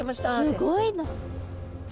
すごいな。